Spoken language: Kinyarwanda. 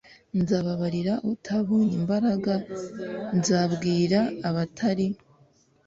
nzababarira utabonye imbabazi Nzabwira abatari